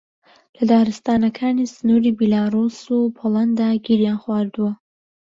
لە دارستانەکانی سنووری بیلاڕووس و پۆڵەندا گیریان خواردووە